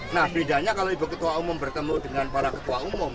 nah bedanya kalau ibu ketua umum bertemu dengan para ketua umum